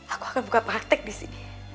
aku akan buka praktek di sini